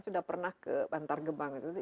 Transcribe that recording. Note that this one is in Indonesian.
saya pernah ke antar gebang gitu kan